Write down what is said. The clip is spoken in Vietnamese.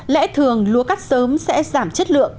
lẽ thường lúa cắt sớm sẽ giảm chất lượng